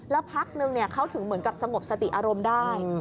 แล้วพักนึงเขาถึงเหมือนกับสงบสติอารมณ์ได้